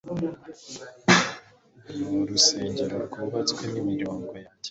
Mu rusengero rwubatswe n'imirongo yanjye